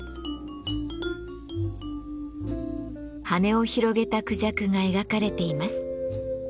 羽を広げたクジャクが描かれています。